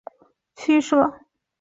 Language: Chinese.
川陕苏区设。